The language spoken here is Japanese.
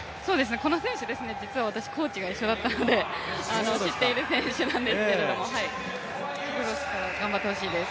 この選手、実はコーチが一緒だったので知っている選手なんですけれども頑張ってほしいです。